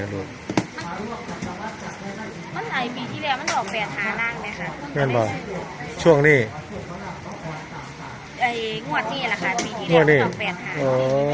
ตอนนี้มี๙หาก็๘หา